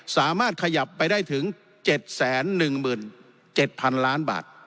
สามารถขยับไปได้ถึง๗๑๗๐๐๐ล้านบาท